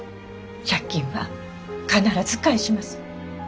借金は必ず返します。